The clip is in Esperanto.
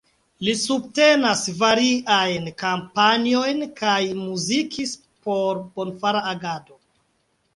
Li subtenas variajn kampanjojn kaj muzikis por bonfara agado.